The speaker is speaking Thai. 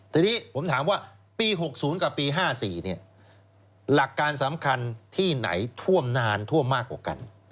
ทีนี้ผมถามว่าปี๖๐กับปี๕๔หลักการสำคัญที่ไหนท่วมนานท่วมมากกว่ากัน